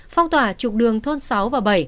phong tỏa trục đường thôn sáu và bảy